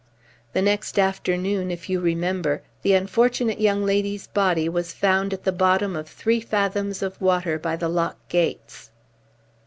The next afternoon, if you remember, the unfortunate young lady's body was found at the bottom of three fathoms of water by the lock gates."